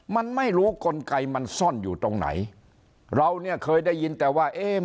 มันไม่รู้กลไกมันซ่อนอยู่ตรงไหนเราเนี่ยเคยได้ยินแต่ว่าเอ๊ะ